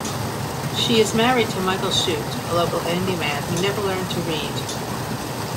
She is married to Michael Chute, a local handyman who never learned to read.